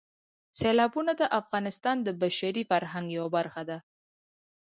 سیلابونه د افغانستان د بشري فرهنګ یوه برخه ده.